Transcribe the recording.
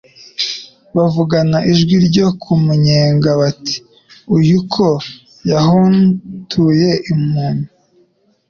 bavugana ijwi ryo kumunnyega bati: "Uyu ko yahun-tuye impumyi,